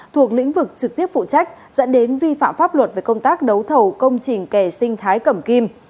thuộc lĩnh vực trực tiếp phụ trách dẫn đến vi phạm pháp luật về công tác đấu thầu công trình kè sinh thái cẩm kim